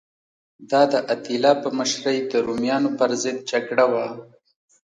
دا د اتیلا په مشرۍ د رومیانو پرضد جګړه وه